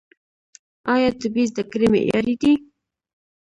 آیا طبي زده کړې معیاري دي؟